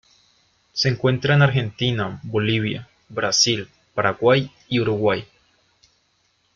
Se encuentra en Argentina, Bolivia, Brasil, Paraguay y Uruguay.